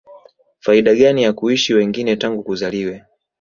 faida gani ya kuishi wengine tangu kuzaliwe